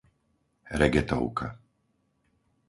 Regetovka